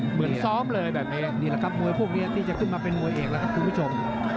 เหมือนซ้อมเลยแบบนี้นี่แหละครับมวยพวกนี้ที่จะขึ้นมาเป็นมวยเอกแล้วครับคุณผู้ชม